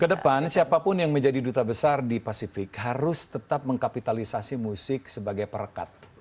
kedepan siapapun yang menjadi duta besar di pasifik harus tetap mengkapitalisasi musik sebagai perekat